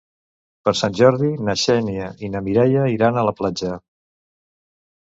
Per Sant Jordi na Xènia i na Mireia iran a la platja.